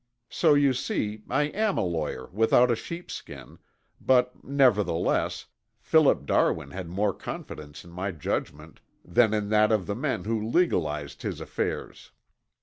So you see, I am a lawyer without a sheepskin, but, nevertheless, Philip Darwin had more confidence in my judgment than in that of the men who legalized his affairs.